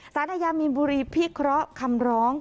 อายามีนบุรีพิเคราะห์คำร้อง